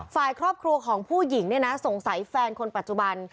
ฝ่ายครอบครัวของผู้หญิงเนี่ยนะสงสัยแฟนคนปัจจุบัน